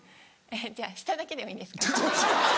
じゃあ下だけでもいいですか？